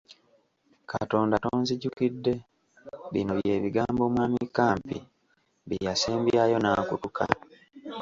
“Katonda tonzijukidde?” Bino bye bigambo mwami Kampi bye yasembyayo n’akutuka.